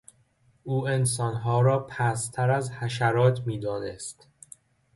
او انسانها را پستتر از حشرات میدانست.